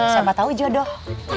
sambah tau juga dong